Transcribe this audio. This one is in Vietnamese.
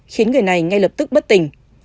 khiến người này ngay lập tức bất tỉnh